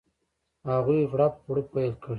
هغوی غړپ غړوپ پیل کړي.